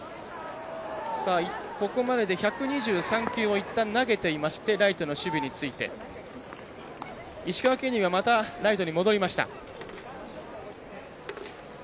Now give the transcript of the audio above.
ここまでで１２３球をいったん投げていましてライトの守備について石川ケニーがまたライトに戻りました。